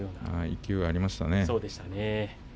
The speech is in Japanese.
勢いがありましたね。